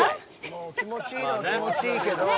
気持ちいいのは気持ちいいけど。